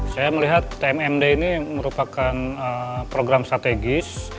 saya melihat tmd ini merupakan program strategis